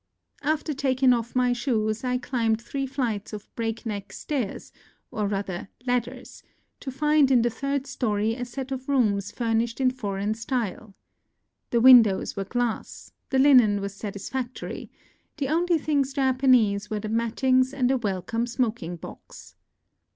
After taking off my shoes I climbed three flights of breakneck stairs, or rather ladders, to find in the third story a set of rooms furnished in foreign style. The win dows were glass ; the linen was satisfactory ; the only things Japanese were the mattings and a welcome smoking box.